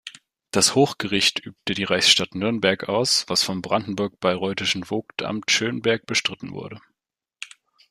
Das Hochgericht übte die Reichsstadt Nürnberg aus, was vom brandenburg-bayreuthischen Vogtamt Schönberg bestritten wurde.